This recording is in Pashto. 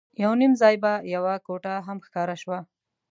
یو نیم ځای به یوه کوټه هم ښکاره شوه.